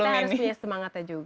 kita harus punya semangatnya juga